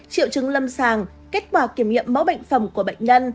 triệu chứng lâm sàng kết quả kiểm nghiệm mẫu bệnh phẩm của bệnh nhân